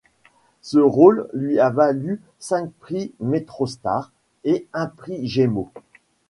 Ce rôle lui a valu cinq Prix MetroStar et un Prix Gémeaux.